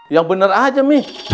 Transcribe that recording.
yang bener aja mi